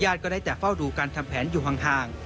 ก็ได้แต่เฝ้าดูการทำแผนอยู่ห่าง